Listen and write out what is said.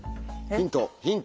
ヒントヒント！